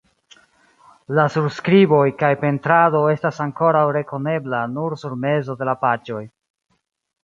La surskriboj kaj pentrado estas ankoraŭ rekonebla nur sur mezo de la paĝoj.